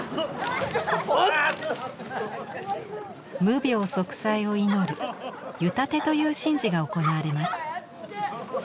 無病息災を祈る湯立という神事が行われます。